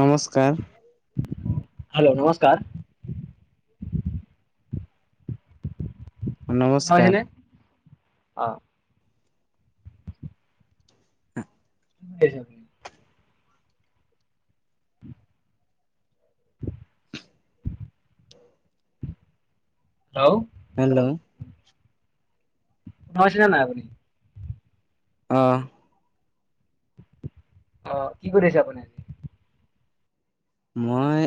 নমস্কাৰ। হেল্ল' নমস্কাৰ। নমস্কাৰ। হৈছেনে অ'। [inaudible] [unintelligible] হেল্ল'? হেল্ল'? শুনা পাইছে নে নাই আপুনি? অ'। অ', কি কৰি আছে আপুনি? মই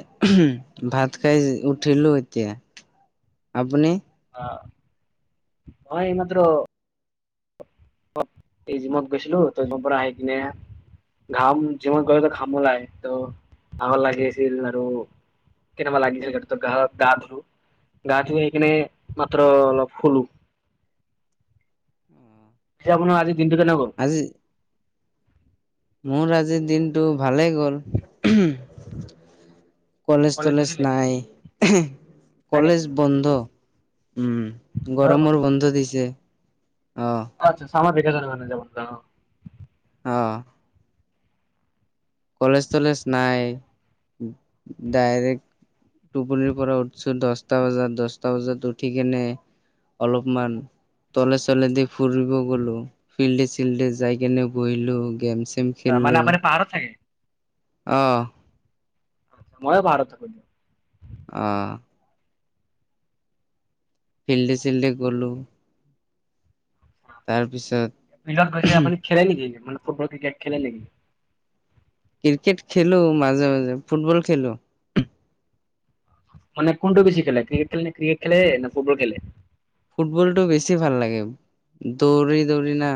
ভাত খাই উঠিলো এতিয়া, আপুনি? অ', মই এইমাত্ৰ এই জিমত গৈছিলো ত' জিমৰ পৰা আহি কেনে ঘাম জিমত গ'লে টো ঘাম ওলাই ত' ভাগৰ লাগি আছিল আৰু কেনেৱা লাগিছিল গাটো গা ধুলু গা ধুই আহি কেনে মাত্ৰ অলপ শুলো। পিছে আপোনাৰ আজি দিনটো কেনে গ'ল? আজি? মোৰ আজিৰ দিনটো ভালেই গ'ল। কলেজ কলেজ-তলেজ গৈছিলে? নাই হয় কলেজ নেকি বন্ধ। উম, গৰমৰ বন্ধ দিছে অ'। আচ্ছা, চামাৰ ভেকেচন মানে [unintelligible] অ'। কলেজ-তলেজ নাই ডাইৰেক্ট টোপনিৰ পৰা উঠিছো দহটা বজাত, দহটা বজাত উঠি কেনে অলপমান তলে-চলে দি ফুৰিব গ'লো ফিল্ডে-চিল্ডে যাই কেনে বহিলো গেম-চেম তাৰমানে আপুনি পাহাৰত থাকে? অ'। ময়ো পাহাৰত থাকোঁ। অ'। ফিল্ডে-চিল্ডে গ'লোঁ। দিয়ক। তাৰপিছত ফিল্ডত গৈছে আপুনি খেলে নেকি এনে মানে ফুটবল ক্ৰিকেট খেলে নেকি? ক্ৰিকেট খেলো মাজে মাজে, ফুটবল খেলো। মানে কোনটো বেছি খেলে ক্ৰিকেট খেলে নে, ক্ৰিকেট খলে নে ফুটবল খেলে? ফুটবলটো বেছি ভাল লাগে। দৌৰি দৌৰি না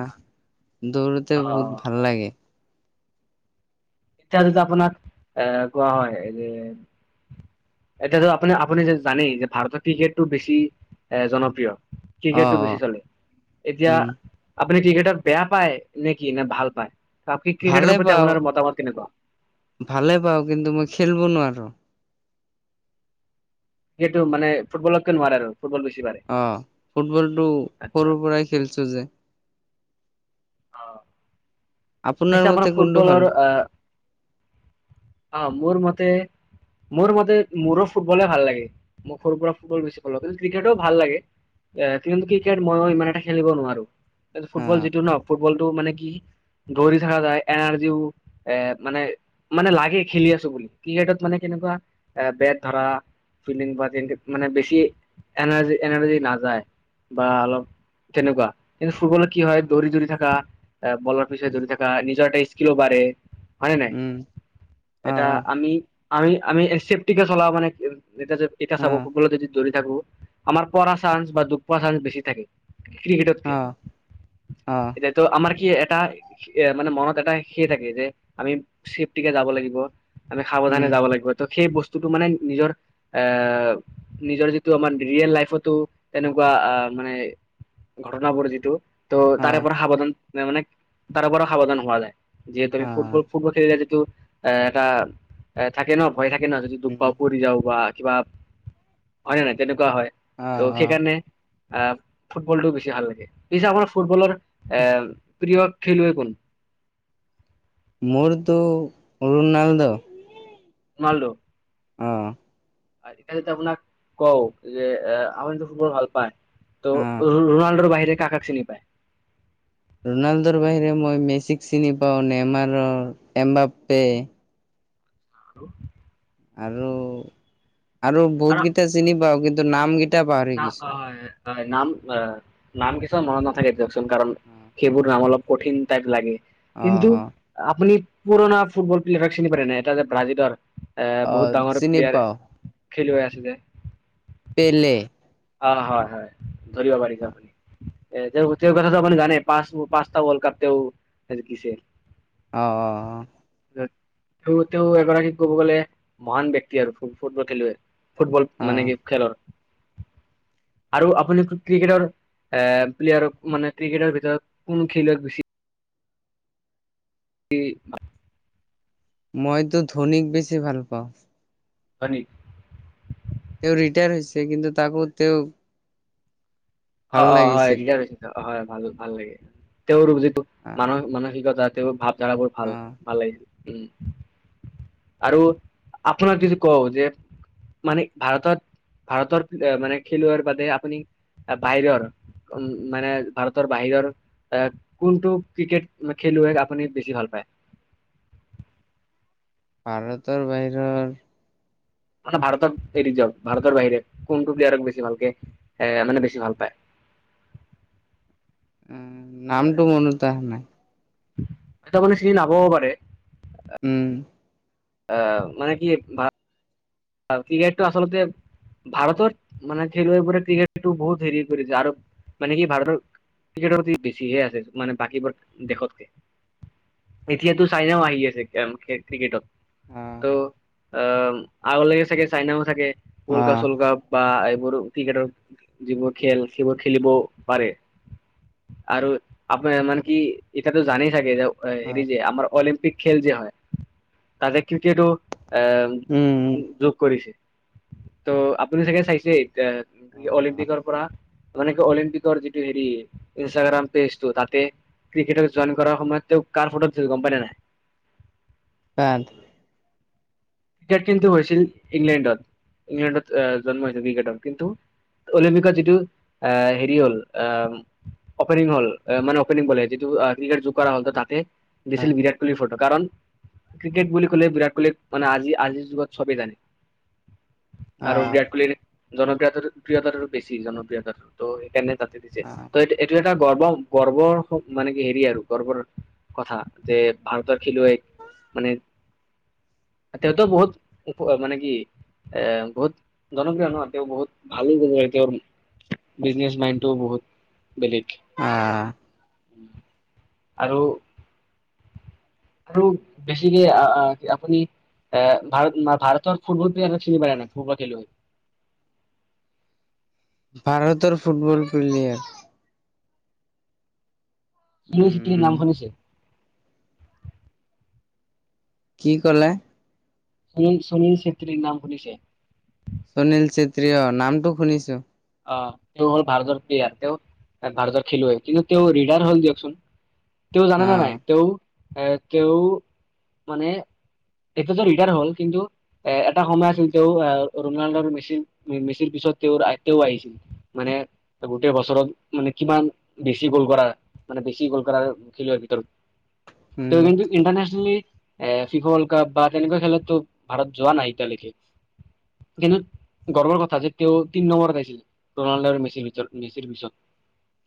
অ দৌৰোতে বহুত ভাল লাগে। এতিয়া যদি আপোনাক এ কোৱা হয় যে এতিয়াত টো আপুনি আপুনি যে জানেই যে ভাৰতত ক্ৰিকেটটো বেছি এ জনপ্ৰিয়। অ ক্ৰিকেটটো অ বেছি চলে। এতিয়া উম আপুনি ক্ৰিকেটত বেয়া পায় নে কি নে ভাল পায়? আপনি ক্ৰিকেটৰ ভালে প্ৰতি পাওঁ আপোনাৰ মতামত কেনেকুৱা? ভালে পাওঁ কিন্তু মই খেলিব নোৱাৰো। হেইটো মানে ফুটবলতকে নোৱাৰে আৰু। ফুটবল বেছি পাৰে? অ', ফুটবলটো আচ্ছা সৰুৰ পৰাই খেলিছো যে। অ'। পিছে আপোনাৰ মতে কোনটো ভাল ফুটবলৰ এ, অ', মোৰ মতে মোৰ মতে মোৰো ফুটবলে ভাল লাগে, মই সৰুৰ পৰা ফুটবল বেছি ভাল পাওঁ, কিন্তু ক্ৰিকেটও ভাল লাগে। এ কিন্তু ক্ৰিকেট ময়ো ইমান এটা খেলিব নোৱাৰো, অ ফুটবল যিটো ন ফুটবলটো মানে কি দৌৰি থকা যায়, এনাৰ্জিও এ মানে মানে লাগে খেলি আছো বুলি ক্ৰিকেটত মানে কেনেকুৱা, এ বেট ধৰা ফিল্ডিং বা তিন্তিপ মানে বেছি এনাৰ্জি এনাৰ্জি নাযায়। বা অলপ তেনেকুৱা, কিন্তু ফুটবলত কি হয় দৌৰি দৌৰি থাকা এ বলৰ পচে দৌৰি থাকা, নিজৰ এটা স্কিলো বাঢ়ে হয় ন নাই? উম এটা অ', আমি আমি আমি সেফটিকে চলাব মনে এ যে এতিয়া চাব অ', ফুটবলত যদি ধৰি থাকোঁ আমাৰ পৰা চাঞ্চ বা দুখ পোৱা চাঞ্চ বেছি থাকে। ক্ৰিকেটতকে, অ', এতিয়াতো আমাৰ কি এটা এ মানে ম'নত এটা সে থাকে যে আমি চেফটিকে যাব লাগিব। আমি সাৱধানে উম, যাব লাগিব ত' সেই বস্তুটো মানে নিজৰ এ নিজৰ যিটো আমাৰ ৰিয়েল লাইফতো তেনেকুৱা মানে ঘটনাবোৰ যিটো তে তাৰে অ', পৰা সাৱধান। মানে তাৰো পৰা সাৱধান হোৱা যায়, যিহেতু আমি অ', ফুটবল, ফুটবল খেলিলে যিহেতু এটা এ থাকে ন, ভয় থাকে ন যদি দুখ উম, পাওঁ, পৰি যাওঁ বা কিবা হয় ন নাই তেনেকুৱা হয়। অ', ত' অ', সেকাৰনে আহ ফুটবলটো বেছি লাগে। পিছে আপুনাৰ ফুটবলৰ এ প্ৰিয় খেলোঐ কোন? মোৰটো ৰোনাল্ডো। ৰোনাল্ডো! অ'। আজি কালিতো আপোনাক কওঁ যে আপুনিতো ফুটবল ভাল পায়। অ', ত' ৰোনাল্ডোৰ বাহিৰে কাক কাক চিনি পায়? ৰোনাল্ডোৰ বাহিৰে মই মেছিক চিনি পাওঁ, নেইমাৰৰ, এমবাপ্পে হেল্ল'? আৰু, আৰু বহুত কেটা চিনি পাওঁ। কিন্তু নাম কি ন অ', হয় হয় নাম অ', নাম কিছুমান মনত নাথাকে দিয়কচোন। কাৰণ হুম। সেইবোৰ নাম অলপ কঠিন টাইপ লাগে। অ', কিন্তু অ', আপুনি পুৰণা ফুটবল প্লেয়াৰক চিনি পাৰে নে এটা যে ব্ৰাজিলৰ এ অ', বহুত ডাঙৰ চিনি প্লেয়াৰ পাওঁ খেলুৱৈ আছিল? পেলে। অ', হয় হয় ধৰিব পাৰিছে অ', আপুনি। এ তেওঁ তেওঁৰ কথাটো আপুনি জানে পাঁচ পাঁচটা ৱৰ্ল্ড কাপ তেওঁ জিকিছে। অ', অ', অ'। তেওঁ তেওঁ এগৰাকী কব গ'লে মহান ব্যক্তি আৰু ফু-ফুটবল খেলুৱৈ ফুটবল মানে অ', কি খেলৰ। আৰু আপুনি ক্ৰিকেটৰ এ প্লেয়াৰ মানে ক্ৰিকেটৰ ভিতৰত কোন খেলুৱৈ বেছি কি মইতো ধনীক বেছি ভাল পাওঁ। হয় নেকি তেওঁ ৰিটায়াৰ হৈছে কিন্তু তাকো তেওঁৰ অ অ হয় ৰিটায়াৰ হৈছে অ হয় ভাল ভাল লাগে তেওঁৰ যিটো অ', মান-মানসিকতা তেওঁৰ ভাৱ ধাৰাবোৰ ভাল অ', ভাল লাগে উম। আৰু আপোনাক যদি কওঁ যে মানে ভাৰতত ভাৰতৰ মানে খেলুৱৈ বাদে আপুনি, বাহিৰৰ উম, মানে ভাৰতৰ বাহিৰৰ। এ কোনটো ক্ৰিকেট খেলুৱৈক আপুনি বেছি ভাল পায় ভাৰতৰ বাহিৰৰ মানে ভাৰতৰক এৰি দিয়ক, ভাৰতৰ বাহিৰে কোনটো প্লেয়াৰক বেছি ভালকে এ, মানে বেছি ভাল পায়? উম নামটো মনত অহা নাই এতিয়া মানে চিনি নাপাব পাৰে উম। অ মানে কি ভা ক্ৰিকেটটো আচলতে ভাৰতত মানে খেলুৱৈবোৰে ক্ৰিকেট বহুত হেৰি কৰিছে আৰু মানে কি ভাৰতৰ ক্ৰিকেটৰ বেছি হে আছে বাকীবোৰ দেশতকে। এতিয়াতো, চাইনাও আহি আছে অ ক্ৰিকেটত। অ ত' আহ, আগলে চাগে চাইনাও চাগে অ ৱৰ্ল্ডকাপ চল্কাকাপ বা এইবোৰো ক্ৰিকেটৰ যিবোৰ খেল সেইবোৰ খেলিবও পাৰে। আৰু আপোনাৰ মানে কি এতিয়াটো জানেই চাগে যে অ হেৰি যে আমাৰ অলিম্পিক খেল যে হয়, তাতে ক্ৰিকেটো এ উম উম যোগ কৰিছে, ত' আপুনি চাগে চাইছে এতিয়া অ অলিম্পিকৰ পৰা মানে কি অলিম্পিকৰ যিটো হেৰি ইনষ্টাগ্ৰাম পেজটো তাতে ক্ৰিকেটক জইন কৰাৰ সময়ত তেওঁ কাৰ ফটোত দিছিল গম পাই নে নাই কাৰ ক্ৰিকেট কিন্তু হৈছিল ইংলেণ্ডত, ইংলেণ্ডত এ জন্ম হৈছিল ক্ৰিকেটতৰ কিন্তু অলিম্পিকৰ যিটো এ, হেৰি হ'ল এহ অপেনিং হ'ল, মানে অপেনিং কৰিলে যিটো ক্ৰিকেট যোগ কৰা হল তাতে দিছিল বিৰাট কোহলিৰ ফটো, কাৰণ ক্ৰিকেট বুলি কলে বিৰাট কোহলিক মানে আজি আজিৰ যুগত চবেই জানে অ আৰু বিৰাট কোহলিৰ জনপ্ৰিয়তাৰ প্ৰিয়তাৰো বেছি জনপ্ৰিয়তাতো সেইকাৰণে তাতে দিছে অ ত এই এইটো এটা গৰ্ব গৰ্বৰ মানে কি হেৰি আৰু গৰ্বৰ কথা। যে ভাৰতৰ খেলুৱৈ তেওঁতো বহুত ওপৰত, মানে কি এ, বহুত জনপ্ৰিয় ন, তেওঁ বহুত ভালো লাগে তেওঁৰ বিজনেচ মাইণ্ডটো বহুত বেলেগ। আহ। আৰু আৰু বেছিকে আ আ, আপুনি এ, ভাৰত, ভাৰতৰ ফুটবল প্লেয়াৰ চিনি প না ফুটবল খেলুৱৈ ভাৰতৰ ফুটবল প্লেয়াৰ চুনিল চিটিৰ উম নাম শুনিছে? কি কলে? সুনীল, সুনীল ছেত্ৰীৰ নাম শুনিছে? সুনীল ছেত্ৰী অ, নামটো শুনিছো। অ, তেওঁ হ'ল ভাৰতৰ প্লেয়াৰ, তেওঁ এ ভাৰতৰ খেলুৱৈ, কিন্তু তেওঁ ৰিতাইয়াৰ হল দিয়কচোন, তেওঁ জানে অ নে নাই তেওঁ এ, তেওঁ মানে তেতিয়াতো ৰিটায়াৰ হ'ল কিন্তু এ, এটা সময় আছিল তেওঁ আহ ৰনাল্ডৰ মেচি মেচিৰ পিছত তেওঁৰ, তেওঁ আহিছিল। মানে গোটেই বছৰত মানে কিমান বেছি গল কৰা। মানে বেছি গল কৰা খেলাৰ ভিতৰত, উম তেওঁ কিন্ত ইণ্টাৰনেশ্যনেলী এ, ফিফৰ্লড কাপ বা তেনেকুৱা খেলতো ভাৰত যোৱা নাই এতিয়ালৈকে। কিন্তু গৰ্বৰ কথা, যে তেওঁ তিন নম্বৰ ৰনাল্ড আৰু মিছি ভিতৰত মিচিৰ পিছত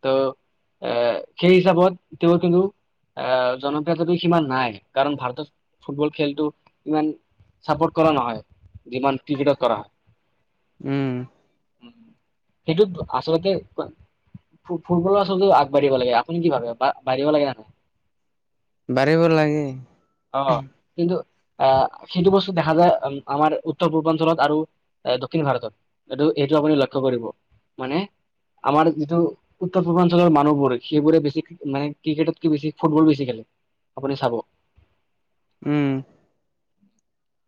ত এ খেই হিচাপত তেওঁ কিন্তু আহ জনপ্ৰিয়তাটো সিমান নাই কাৰণ ভাৰতত ফুটবল, খেলটো ইমান ছাপোৰ্ট কৰা নহয়, যিমান ক্ৰিকেটৰ কৰা হয়। উম। সেইটোত আচলতে ক ফু ফুটবলো আচলতে আগবাঢ়িব লাগে আপুনি কি ভাবে বা বাঢ়িব লাগে বাঢ়িব লাগে। অ, কিন্তু আহ সেইটো বস্তু দেখা যায় আম আমাৰ উত্তৰ পূৰ্বাঞ্চলত আৰু এ দক্ষিণ ভাৰতত, এইটো এইটো আপুনি লক্ষ্য কৰিব, মানে, আমাৰ যিটো উত্তৰ পূৰ্বাঞ্চলৰ মানুহবোৰ সেইবোৰে বেছি মানে ক্ৰিকেটতকে বেছি ফুটবল বেছি খেলে। আপুনি চাব। উম।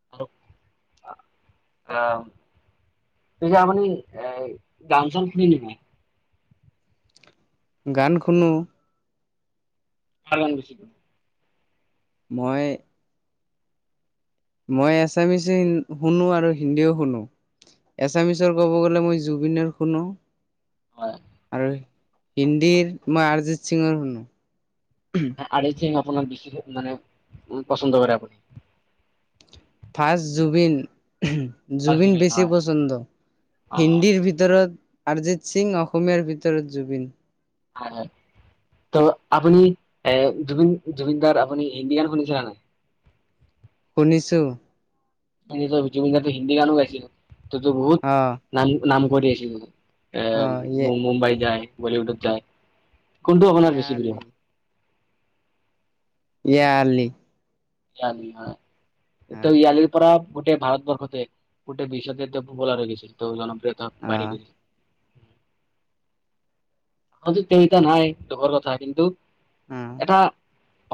[inaudible] অ, তেতিয়া আপনি, এ গান চান শুনে নেকি গান খুনো। কাৰণ আছে মই। মই এছামিচে ইন শুনো আৰু হিন্দীও শুনো। এছামিছৰ ক'ব গ'লে মই জুবিনৰ শুনো। হয় আৰু, হিন্দীৰ তোমাৰ আৰজিত সিঙৰ শুনো। [unintelligible] মানে, পচন্দ কৰে [unintelligible] ফাষ্ট জুবিন। উমহ। হয় জুবিন বেছি হয় পচন্দ, অ হিন্দীৰ ভিতৰত অৰিজিত সিং অসমীয়াৰ ভিতৰত জুবিন। হয় হয় ত' আপুনি এ জুবিন জুবিনদাৰ আপুনি ইণ্ডিয়ান শুনিছিলে নাই? শুনিছোঁ। [unintelligible] হিন্দী গানো গাইছিল, তো বহুত অঁ। নাম নাম কৰি আছিল ই এ মুম্বাই যায়, বলিউডত যায়। কোনটো আপোনাৰ ইয়া বেছি আলি প্ৰিয়? ইয়া-আ-লি। ইয়াৰ আ দি হয়, অ ত পৰা- গোটেই ভাৰতবৰ্ষতে, গোটেই বিশ্বতে তেওঁ প্ৰপোলাৰ হৈ গৈছিল, তেওঁ জনপ্ৰিয়তা অ বাঢ়ি গৈছিল। আজি তেওঁ এতিয়া নাই দুখৰ কথা কিন্তু অ এটা-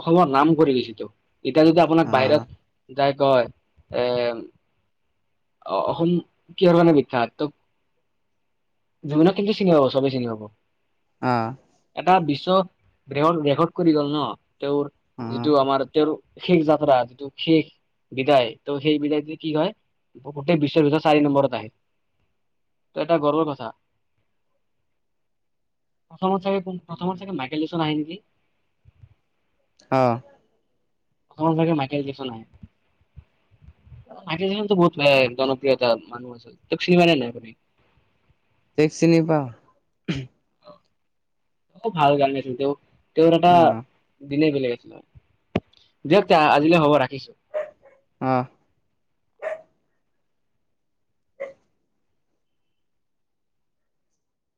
অসমৰ নাম কৰি গৈছেতো। এতিয়া যদি আপোনাক অ বাহিৰত- যায় কয়- অ -অসম কিহৰ কাৰণে ব্যিখাত? ত- জুবিনক কিন্তু চিনি পাব, চবে চিনি পাব। আ। এটা বিশ্ব ৰেকৰ্ড ৰেকৰ্ড কৰি গ'ল ন, তেওঁৰ অ যিটো আমাৰ তেওঁৰ- শেষ যাত্ৰা, যিটো শেষ বিদায়। ত সেই বিদায়টো কি হয়- গোটেই বিশ্বৰ ভিতৰত চাৰি নম্বৰত আহে, ত এটা গৰ্বৰ কথা। প্ৰথমত চাগে কোন, প্ৰথমত চাগে মাইকেল জেকচন আহে নেকি? অঁ। প্ৰথমত চাগে মাইকেল জেকচন আহে। অঁ, মাইকেল জেকচন তো বহুত এই জনপ্ৰিয়তা মানুহ আছিল। তেওঁক চিনি পোৱা নাই আপুনি? তেওঁক চিনি পাওঁ। অঁ, ভাল গান গাইছিল তেওঁ। তেওঁৰ এটা- অ দিনেই বেলেগ আছিলে, দিয়ক তে আজিলৈ হ'ব ৰাখিছোঁ। অহ।